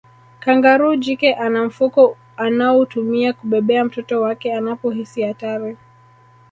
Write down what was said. Kangaroo jike ana mfuko anaotumia kubebea mtoto wake anapohisi hatari